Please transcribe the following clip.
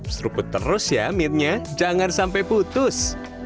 seruput terus ya mid nya jangan sampai putus